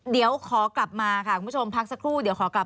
เดี๋ยวขอกลับมาค่ะคุณผู้ชมพักสักครู่